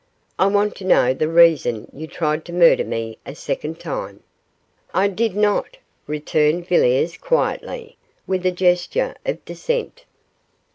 I want to know the reason you tried to murder me a second time.' 'I did not,' returned Villiers, quietly, with a gesture of dissent.